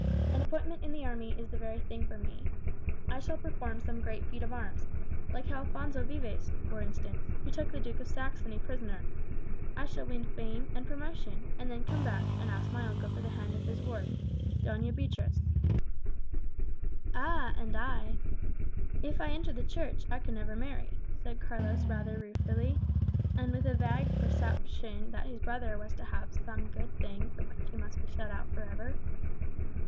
An appointment in the army is the very thing for me. I shall perform some great feat of arms, like Alphonso Vives, for instance, who took the Duke of Saxony prisoner; I shall win fame and promotion, and then come back and ask my uncle for the hand of his ward, Doña Beatriz." "Ah, and I if I enter the Church, I can never marry," said Carlos rather ruefully, and with a vague perception that his brother was to have some good thing from which he must be shut out for ever.